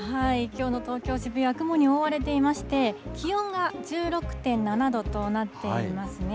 きょうの東京・渋谷、雲に覆われていまして、気温が１６．７度となっていますね。